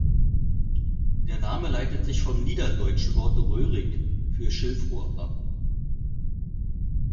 Der Name leitet sich vom niederdeutschen Wort „Röhrig“ für Schilfrohr ab.